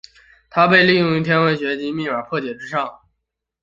它们被用于天文物理学及密码破解之上。